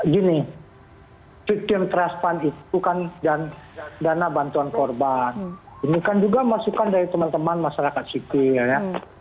gini fitraspan itu kan dana bantuan korban ini kan juga masukkan dari teman teman masyarakat sikil ya